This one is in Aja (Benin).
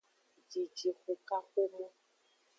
Jijixukaxomo.